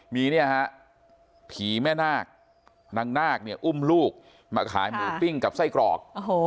มีผีแม่นาคนางนาคอุ้มลูกมาขายหมูปิ้งกับไส้กรอก